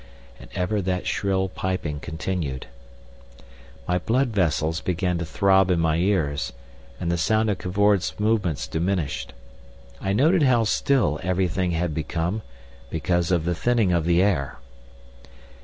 And ever that shrill piping continued. My blood vessels began to throb in my ears, and the sound of Cavor's movements diminished. I noted how still everything had become, because of the thinning of the air.